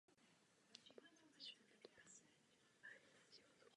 Oproti vývozu dovoz již tak pozitivní není.